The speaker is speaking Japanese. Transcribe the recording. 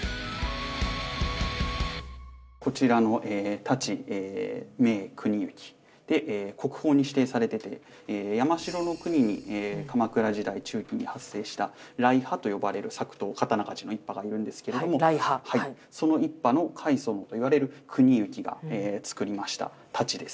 こちらの「太刀銘国行」で国宝に指定されてて山城国に鎌倉時代中期に発生した来派と呼ばれる作刀刀鍛冶の一派がいるんですけれどもその一派の開祖といわれる国行が作りました太刀ですね。